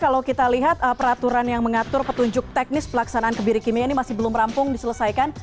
kalau kita lihat peraturan yang mengatur petunjuk teknis pelaksanaan kebiri kimia ini masih belum rampung diselesaikan